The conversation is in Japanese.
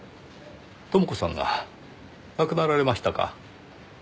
朋子さんが亡くなられましたか。